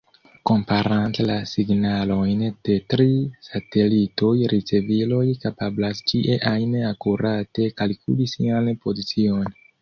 Komparante la signalojn de tri satelitoj, riceviloj kapablas ĉie ajn akurate kalkuli sian pozicion.